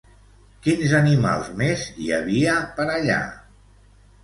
Quins animals més hi havia per allà?